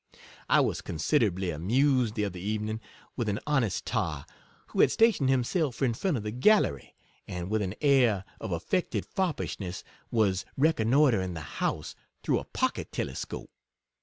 I was considerably amused the other evening with an honest tar, 36 who had stationed himself in front of the gallery, and with an air of affected foppish ness, was reconnoitring the house through a pocket telescope.